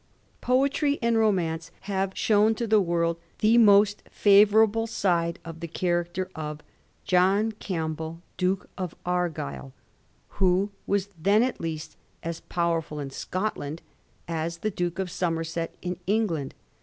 Poetry and romance have shown to the world the most favourable side of the character of John Camp bell, Duke of Argyll, who was then at least as powerftd in Scotland as the Duke of Somerset in England.